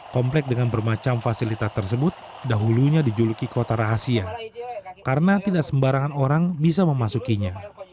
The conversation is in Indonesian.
komplek dengan bermacam fasilitas tersebut dahulunya dijuluki kota rahasia karena tidak sembarangan orang bisa memasukinya